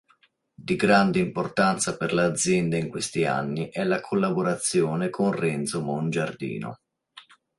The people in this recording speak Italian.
Di grande importanza per l'azienda in questi anni è la collaborazione con Renzo Mongiardino.